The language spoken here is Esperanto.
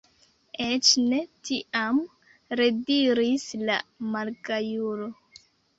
Eĉ ne tiam, rediris la malgajulo.